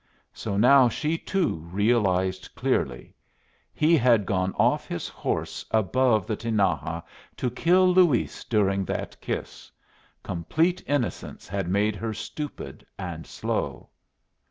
So now she too realized clearly. He had got off his horse above the Tinaja to kill Luis during that kiss. Complete innocence had made her stupid and slow.